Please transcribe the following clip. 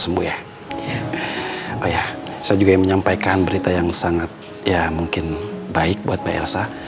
saya juga menyampaikan berita yang sangat ya mungkin baik buat mbak elsa